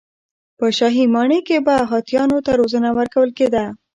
په شاهي ماڼۍ کې به هاتیانو ته روزنه ورکول کېده.